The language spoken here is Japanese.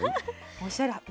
おしゃれ。